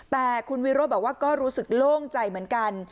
แต่คุณวิโรธบอกว่าก็รู้สึกโล่งใจเหมือนกัน